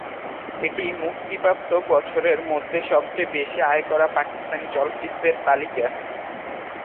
এটি মুক্তিপ্রাপ্ত বছরের মধ্যে সবচেয়ে বেশি আয় করা পাকিস্তানি চলচ্চিত্রের তালিকা।